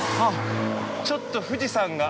◆ちょっと富士山が。